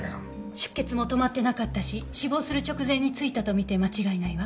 出血も止まってなかったし死亡する直前についたと見て間違いないわ。